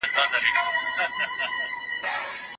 که ناروغان لارښوونې عملي کړي، وضعیت به یې ښه شي.